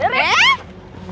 apaan sih lepasin gue